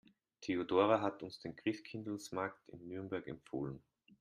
Theodora hat uns den Christkindlesmarkt in Nürnberg empfohlen.